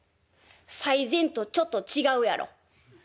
最前とちょっと違うやろ。